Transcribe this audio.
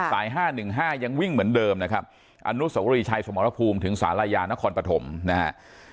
สาย๕๑๕ยังวิ่งเหมือนเดิมนะครับอนุสวรีชัยสมรภูมิถึงศาลายานครปฐมนะฮะ